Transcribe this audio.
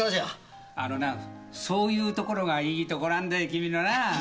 あのなそういうところがいいとこなんだよ君のな。